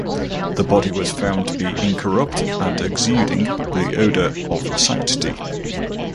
The body was found to be incorrupt and exuding the odour of sanctity.